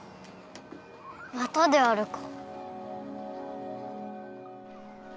またであるか。